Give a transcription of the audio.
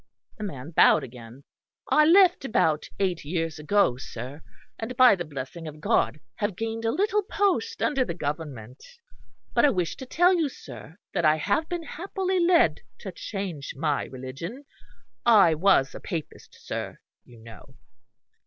The man bowed again. "I left about eight years ago, sir; and by the blessing of God, have gained a little post under the Government. But I wished to tell you, sir, that I have been happily led to change my religion. I was a Papist, sir, you know."